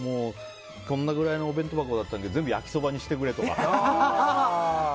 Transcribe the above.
このくらいのお弁当箱だったけど全部、焼きそばにしてくれとか。